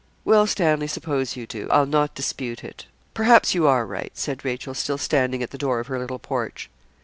'Well, Stanley, suppose you do, I'll not dispute it. Perhaps you are right,' said Rachel, still standing at the door of her little porch.